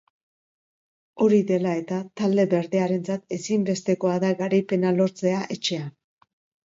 Hori dela eta, talde berdearentzat ezinbestekoa da garaipena lortzea etxean.